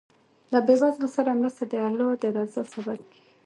له بېوزلو سره مرسته د الله د رضا سبب کېږي.